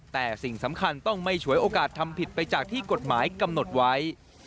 แต่สิ่งสำคัญต้องไม่ฉวยโอกาสทำผิดไปจากที่กฎหมายกำหนดไว้